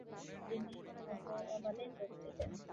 তিনি অবাধে যোগ দিতেন।